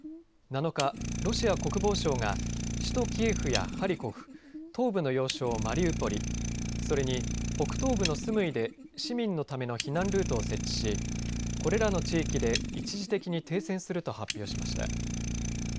７日、ロシア国防省が首都キエフやハリコフ、東部の要衝マリウポリ、それに北東部のスムイで市民のための避難ルートを設置しこれらの地域で一時的に停戦すると発表しました。